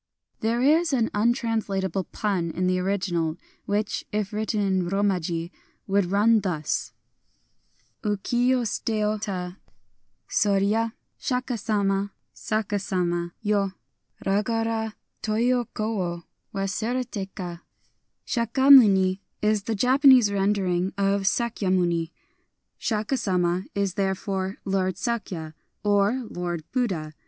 There is an untranslatable pun in the ori ginal, which, if written in Komaji, would run thus :— Uki yo wo sut^yo t'a o ( Shaka Sama )^\ saka sama )^^' Ragora to iu ko wo Wasur^td ka ? SJiahamuni is the Japanese rendering of " Sakyamuni ;"" Shaka Sama " is therefore "Lord Sakya," or "Lord Buddha."